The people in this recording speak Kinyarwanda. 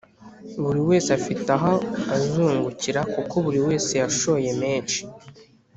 Buri wese afite aho anzungukira kuko buriwese yashoye menshi